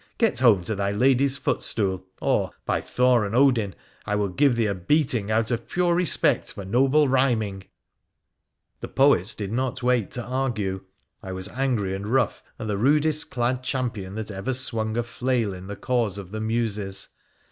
Get home to thy lady's footstool, or, by Thor and Odin, I will give thee a beating out of pure respect for noble rhyming !' The poet did not wait to argue. I was angry and rough, and the rudest clad champion that ever swung a flail in the cause of the muses.